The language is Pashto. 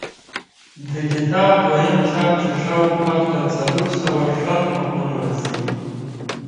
د کتاب دویم چاپ چې شاوخوا تر څلور سوه شل مخونو رسېږي.